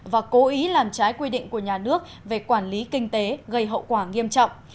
và cố ý làm trái quy định của nhà nước về quản lý kinh tế gây hậu quả nghiêm trọng